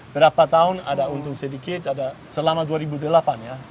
berapa tahun ada untung sedikit ada selama dua ribu delapan ya